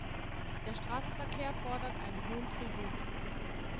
Der Straßenverkehr fordert einen hohen Tribut.